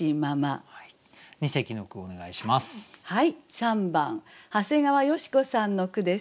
３番長谷川淑子さんの句です。